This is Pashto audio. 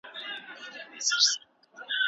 موږ باید په انټرنيټ کې د اخلاقو درناوی وکړو.